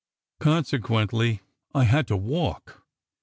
Consequently, I had to walk.